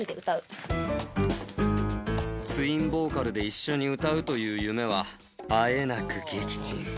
あ、ツインボーカルで一緒に歌うという夢は、あえなく撃沈。